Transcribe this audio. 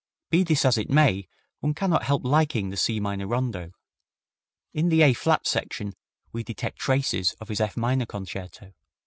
Be this as it may, one cannot help liking the C minor Rondo. In the A flat section we detect traces of his F minor Concerto.